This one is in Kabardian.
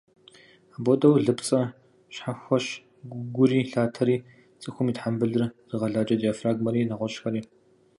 Апхуэдэу, лыпцӏэ щхьэхуэщ гури, лъатэри, цӏыхум и тхьэмбылыр зыгъэлажьэ диафрагмэри, нэгъуэщӏхэри.